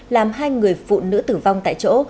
làm hai người phụ nữ tử vong tại chỗ